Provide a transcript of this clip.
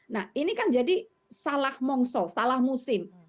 nah ini kan jadi salah mongso salah musim